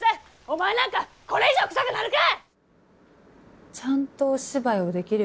お前なんかこれ以上臭くなるか！